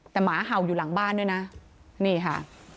แต่หมาเห่าอยู่หลังบ้านด้วยนะนี่ค่ะ